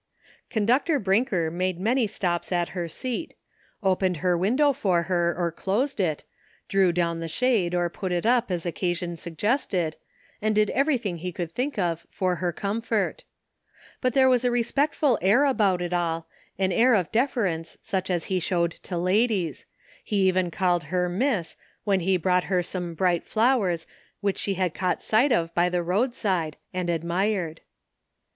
Conductor Brinker made many stops at her seat ; opened her window for her or closed it, drew down the shade or put it up as occasion suggested, and did everything he could think of for her comfort. But there was a respect ful air about it all, an air of deference such as he showed to ladies ; he even called her ^' Miss" when he brought her some bright flowers which 868 AT LAST. she had caught sight of by the roadside and admired.